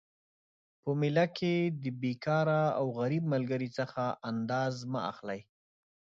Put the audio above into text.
په میله کي د بیکاره او غریب ملګري څخه انداز مه اخلئ